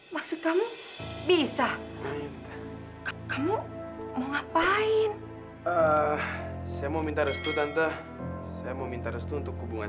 maksud kamu bisa kamu mau ngapain saya mau minta restu tante saya mau minta restu untuk hubungan